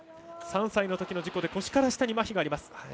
３歳のときの事故で腰から下にまひがあります。